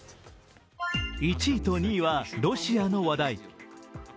１位と２位はロシアの話題。